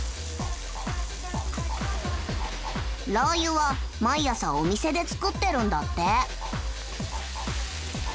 ラー油は毎朝お店で作ってるんだって。